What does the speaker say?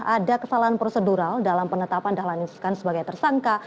ada kesalahan prosedural dalam penetapan dahlan iskan sebagai tersangka